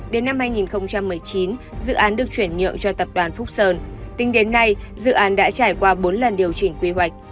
đến năm hai nghìn một mươi chín dự án được chuyển nhượng cho tập đoàn phúc sơn tính đến nay dự án đã trải qua bốn lần điều chỉnh quy hoạch